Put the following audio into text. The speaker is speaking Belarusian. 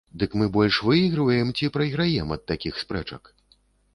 Дык мы больш выігрываем ці прайграем ад такіх спрэчак?